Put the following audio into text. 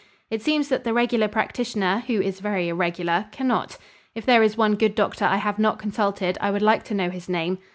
It seems that the regular practitioner, who is very irregular, cannot. If there is one good doctor I have not consulted, I would like to know his name.